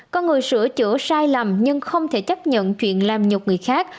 con người sửa chữa sai lầm nhưng không thể chấp nhận chuyện làm nhục người khác